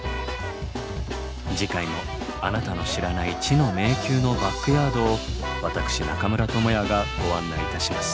次回もあなたの知らない知の迷宮のバックヤードを私中村倫也がご案内いたします。